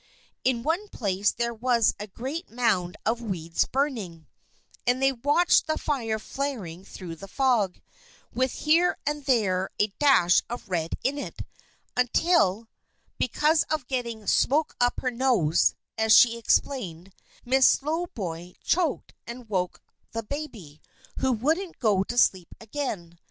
In one place there was a great mound of weeds burning, and they watched the fire flaring through the fog, with here and there a dash of red in it, until, because of getting "smoke up her nose," as she explained, Miss Slowboy choked and woke the baby, who wouldn't go to sleep again.